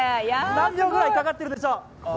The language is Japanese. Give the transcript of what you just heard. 何秒ぐらいかかってるでしょう。